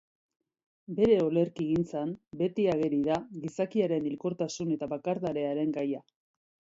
Bere olerkigintzan beti ageri da gizakiaren hilkortasun eta bakardadearen gaia.